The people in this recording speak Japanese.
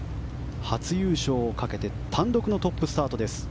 初優勝をかけて単独トップスタートです。